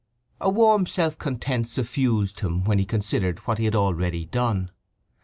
A warm self content suffused him when he considered what he had already done.